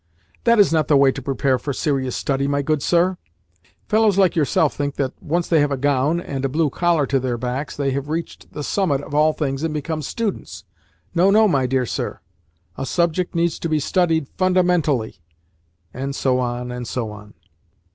"That is not the way to prepare for serious study, my good sir. Fellows like yourself think that, once they have a gown and a blue collar to their backs, they have reached the summit of all things and become students. No, no, my dear sir. A subject needs to be studied FUNDAMENTALLY," and so on, and so on.